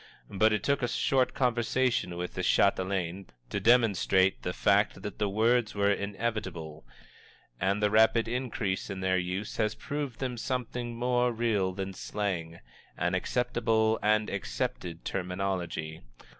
But it took but a short conversation with the Chatelaine to demonstrate the fact that the words were inevitable, and the rapid increase in their use has proved them something more real than slang an acceptable and accepted terminology.